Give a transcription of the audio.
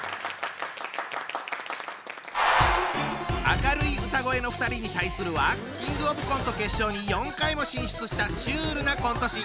明るい歌声の２人に対するはキングオブコント決勝に４回も進出したシュールなコント師！